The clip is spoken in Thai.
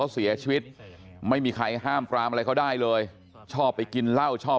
เสียชีวิตไม่มีใครห้ามปรามอะไรเขาได้เลยชอบไปกินเหล้าชอบ